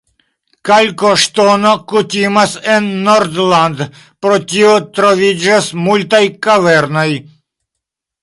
Kalkoŝtono kutimas en Nordland, pro tio troviĝas multaj kavernoj.